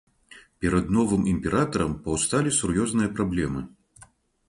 Перад новым імператарам паўсталі сур'ёзныя праблемы.